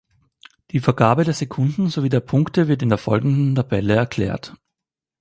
Die Vergabe der Sekunden sowie der Punkte wird in der folgenden Tabelle erklärt.